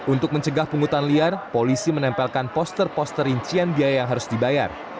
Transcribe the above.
untuk mencegah pungutan liar polisi menempelkan poster poster rincian biaya yang harus dibayar